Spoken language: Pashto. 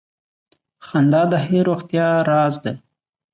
• خندا د ښې روغتیا راز دی.